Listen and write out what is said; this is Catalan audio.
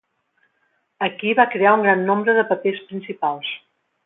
Aquí va crear un gran nombre de papers principals.